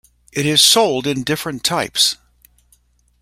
It is sold in different types.